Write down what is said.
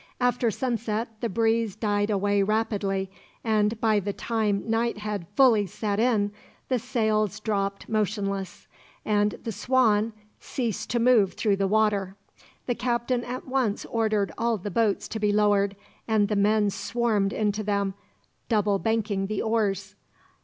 After sunset the breeze died away rapidly and, by the time night had fully set in, the sails dropped motionless, and the Swan ceased to move through the water. The captain at once ordered all the boats to be lowered, and the men swarmed into them, double banking the oars.